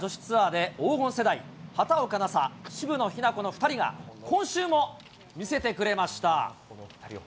で黄金世代、畑岡奈紗、渋野日向子の２人が、今週も見せてくれました。